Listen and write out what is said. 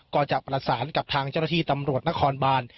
ก็จะประสานกับทางเจ้าหน้าที่ตำรวจนครบาน